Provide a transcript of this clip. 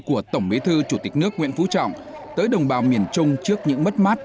của tổng bí thư chủ tịch nước nguyễn phú trọng tới đồng bào miền trung trước những mất mát